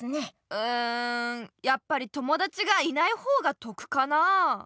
うんやっぱり友だちがいないほうが得かなあ？